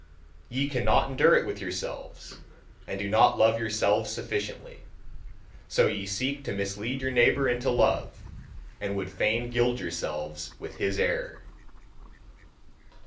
Ye cannot endure it with yourselves, and do not love yourselves sufficiently: so ye seek to mislead your neighbour into love, and would fain gild yourselves with his error.